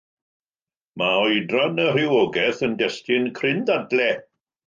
Mae oedran y rhywogaeth yn destun cryn ddadlau.